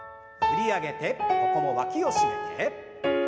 振り上げてここもわきを締めて。